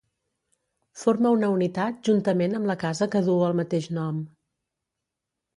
Forma una unitat juntament amb la casa que duu el mateix nom.